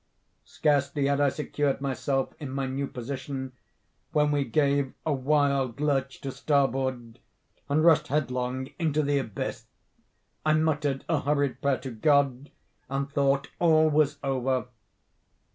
Scarcely had I secured myself in my new position, when we gave a wild lurch to starboard, and rushed headlong into the abyss. I muttered a hurried prayer to God, and thought all was over.